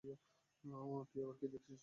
তুই আবার কি দেখিস, চোদনা।